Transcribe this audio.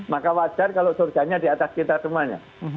maka wajar kalau surganya di atas kita semuanya